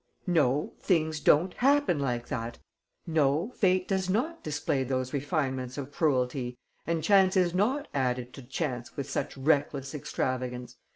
"No, things don't happen like that. No, fate does not display those refinements of cruelty and chance is not added to chance with such reckless extravagance!